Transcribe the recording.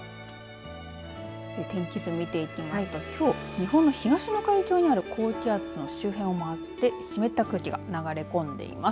天気図を見ていきますときょう日本の東の海上にある高気圧の周辺を回って湿った空気が流れ込んでいます。